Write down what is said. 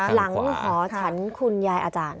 หอฉันคุณยายอาจารย์